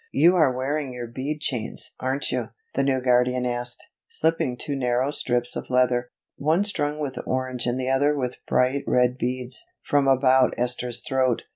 "You are wearing your bead chains, aren't you?" the new guardian asked, slipping two narrow strips of leather, one strung with orange and the other with bright red beads, from about Esther's throat.